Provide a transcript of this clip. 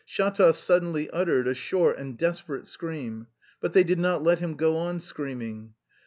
Shatov suddenly uttered a short and desperate scream. But they did not let him go on screaming.